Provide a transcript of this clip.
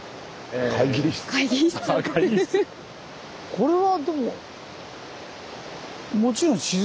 これはでも。